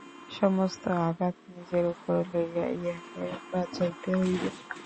সমস্ত আঘাত নিজের উপর লইয়া ইহাকে বাঁচাইতে হইবে।